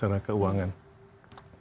terjadi kesulitan secara keuangan